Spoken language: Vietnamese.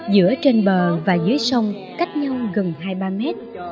giữa trên bờ và dưới sông cách nhau gần hai ba mét